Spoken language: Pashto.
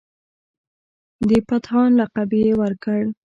د پتهان لقب یې ورکړ.